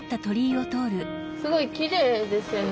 すごいきれいですよね！